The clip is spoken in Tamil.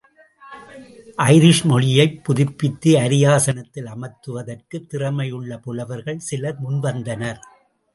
ஐரிஷ் மொழியைப் புதுப்பித்து அரியாசனத்தில் அமர்த்துவதற்குத் திறமையுள்ள புலவர்கள் சிலர் முன்வந்தனர்.